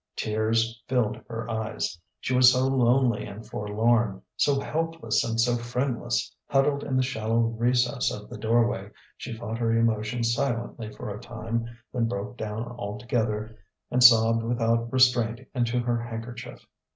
Tears filled her eyes: she was so lonely and forlorn, so helpless and so friendless. Huddled in the shallow recess of the doorway, she fought her emotions silently for a time, then broke down altogether and sobbed without restraint into her handkerchief.